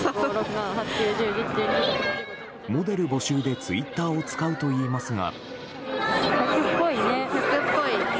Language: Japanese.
モデル募集でツイッターを使うといいますが。